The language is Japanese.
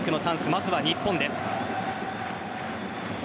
まずは日本です。